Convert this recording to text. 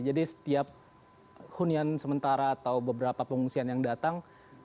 jadi setiap hunian sementara atau beberapa pengungsian yang datang